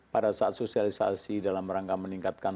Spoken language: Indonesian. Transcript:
pada saat sosialisasi dalam rangka meningkatkan